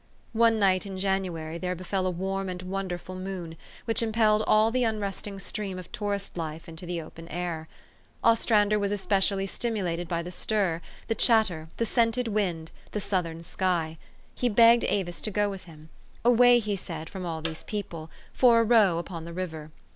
One night in January, there befell a warm and wonderful moon, which impelled all the unresting stream of tourist life into the open air. Ostrander was especially stimulated by the stir, the chatter, the scented wind, the Southern sky. He begged Avis to go with him awa}^ he said, from all these peo ple for a row upon the river.